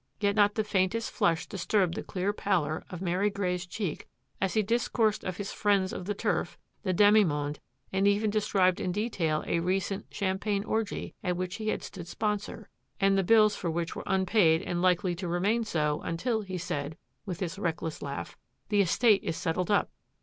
Yet not the faintest flush disturbed the clear pallor of Mary Grey's cheek as he discoursed of his friends of the turf, the demi monde, and even described in detail a recent champagne orgy at which he had stood sponsor, and the bills for which were unpaid and likely to remain so until, he said, with his reckless laugh, the estate is settled up.''